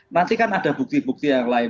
nanti kan ada bukti bukti yang lain